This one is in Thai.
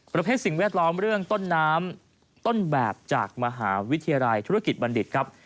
สิ่งแวดล้อมเรื่องต้นน้ำต้นแบบจากมหาวิทยาลัยธุรกิจบัณฑิตครับ